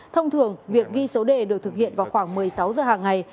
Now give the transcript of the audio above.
thông thường việc ghi số đề được thực hiện vào khoảng một mươi sáu giờ hàng ngày